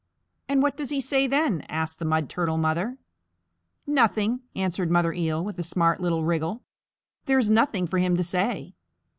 '" "And what does he say then?" asked the Mud Turtle Mother. "Nothing," answered Mother Eel, with a smart little wriggle. "There is nothing for him to say.